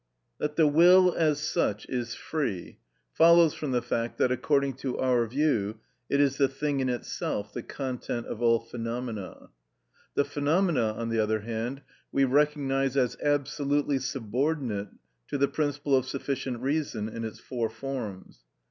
That the will as such is free, follows from the fact that, according to our view, it is the thing in itself, the content of all phenomena. The phenomena, on the other hand, we recognise as absolutely subordinate to the principle of sufficient reason in its four forms.